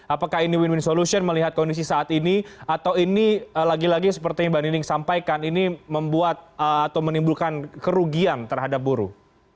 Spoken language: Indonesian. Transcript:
apakah ini win win solution melihat kondisi saat ini atau ini lagi lagi seperti yang mbak nining sampaikan ini membuat atau menimbulkan kerugian terhadap buruh